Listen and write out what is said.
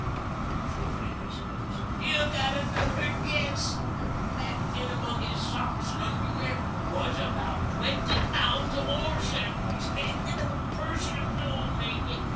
"The usual thing, I suppose." "You've got another guess packed in among his socks and underwear was about twenty pounds of ore samples. The purser told me.